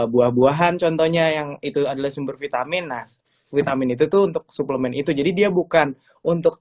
buah buahan contohnya yang itu adalah sumber vitamin nah vitamin itu tuh untuk suplemen itu jadi dia bukan untuk